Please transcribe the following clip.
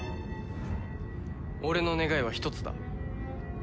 俺の願いは一つだ。